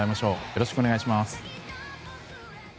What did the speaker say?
よろしくお願いします。